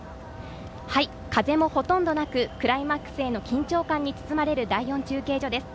風もほとんどなく、クライマックスへの緊張感に包まれる第４中継所です。